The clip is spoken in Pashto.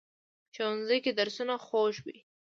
ښوونځی کې درسونه خوږ وي